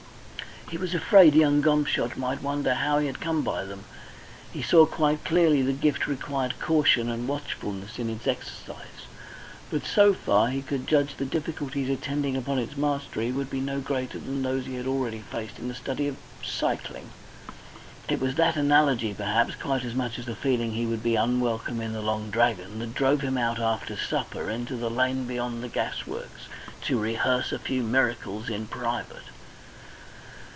He was afraid young Gomshott might wonder how he had come by them. He saw quite clearly the gift required caution and watchfulness in its exercise, but so far as he could judge the difficulties attending its mastery would be no greater than those he had already faced in the study of cycling. It was that analogy, perhaps, quite as much as the feeling that he would be unwelcome in the Long Dragon, that drove him out after supper into the lane beyond the gasworks, to rehearse a few miracles in private.